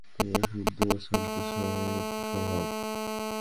তোমরা শুদ্ধ, শান্ত, সৎস্বভাব।